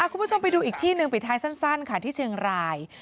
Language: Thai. คุณผู้ชมไปดูอีกที่หนึ่งปิดท้ายสั้นค่ะที่เชียงราย